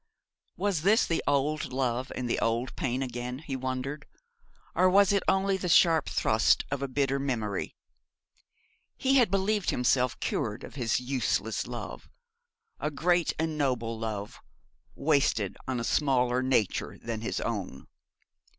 Was this the old love and the old pain again, he wondered, or was it only the sharp thrust of a bitter memory? He had believed himself cured of his useless love a great and noble love, wasted on a smaller nature than his own.